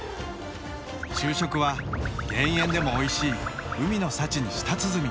昼食は減塩でもおいしい海の幸に舌鼓。